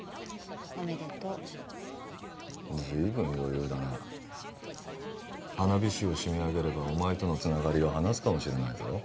おめでとうずいぶん余裕だな花火師を締め上げればお前とのつながりを話すかもしれないぞ